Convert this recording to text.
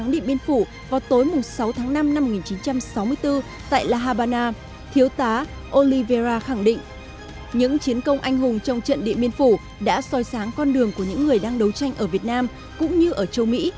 điện biên phủ đã soi sáng con đường của những người đang đấu tranh ở việt nam cũng như ở châu mỹ